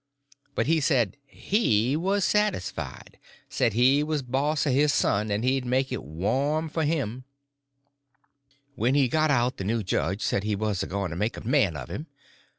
But he said he was satisfied; said he was boss of his son, and he'd make it warm for him. When he got out the new judge said he was a going to make a man of him.